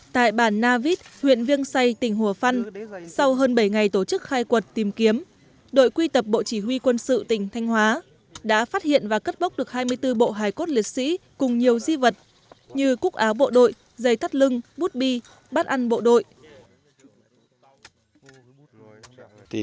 tại bản na vít huyện viêng say tỉnh hồ phân sau hơn bảy ngày tổ chức khai quật tìm kiếm đội quy tập bộ chỉ huy quân sự tỉnh thanh hóa đã phát hiện và cất bốc được hai mươi bốn bộ hài cốt liệt sĩ cùng nhiều di vật như cúc áo bộ đội dây cắt lưng bút bi bát ăn bộ đội